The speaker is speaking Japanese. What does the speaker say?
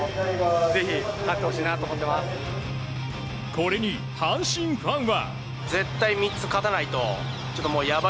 これに阪神ファンは。